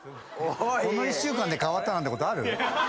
この１週間で変わったなんてことある？